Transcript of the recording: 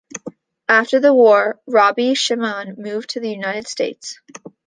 After the war, Rabbi Shimon moved to the United States.